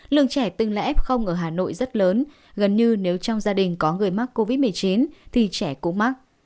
lượng trẻ từng là f ở hà nội rất lớn gần như nếu trong gia đình có người mắc covid một mươi chín thì trẻ cũng mắc